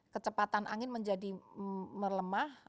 kecepatan angin menjadi melemah